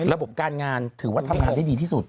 ระบบการงานถือว่าทำงานได้ดีที่สุด